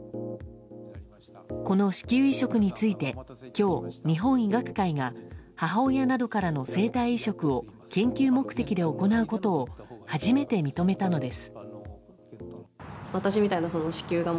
この子宮移植について今日、日本医学会が母親などからの生体移植を研究目的で行うことを初めて認めたのです。